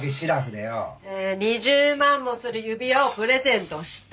で２０万もする指輪をプレゼントした？